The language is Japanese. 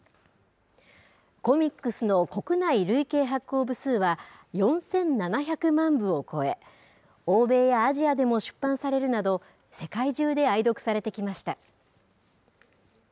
コミックスの国内累計発行部数は４７００万部を超え、欧米やアジアでも出版されるなど、世界中で愛読されてきました。